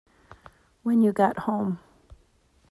When you got home.